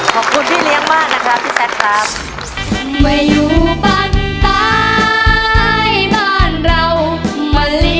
ขอบคุณพี่เลี้ยงมากนะครับพี่แซคครับ